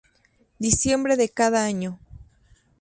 Diciembre de cada año.